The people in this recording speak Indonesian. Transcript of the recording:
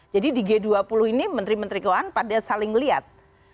jadi di g dua puluh ini menteri menteri keuangan pada saling lihat